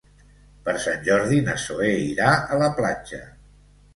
Per Sant Jordi na Zoè irà a la platja.